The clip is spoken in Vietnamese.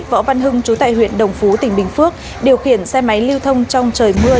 võ văn hưng chú tại huyện đồng phú tỉnh bình phước điều khiển xe máy lưu thông trong trời mưa